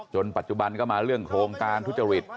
ปัจจุบันก็มาเรื่องโครงการทุจริต